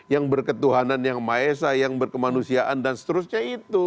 yang berketuhanan yang maesah yang berkemanusiaan dan seterusnya itu